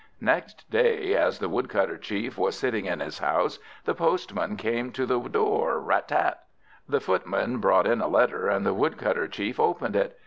Next day, as the Woodcutter Chief was sitting in his house, the postman came to the door Rat tat. The footman brought in a letter, and the Woodcutter Chief opened it.